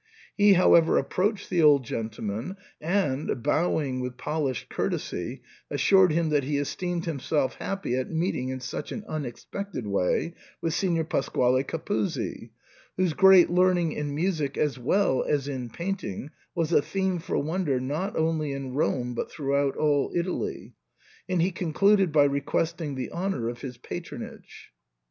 He how ever approached the old gentleman, and, bowing with polished courtesy, assured him that he esteemed him self happy at meeting in such an unexpected way with Signor Pasquale Capuzzi, whose great learning in music as well as in painting was a theme for wonder not only in Rome but throughout all Italy, and he concluded by requesting the honour of his patronage.